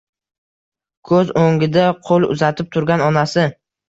Ko‘z o‘ngida qo‘l uzatib turgan onasi…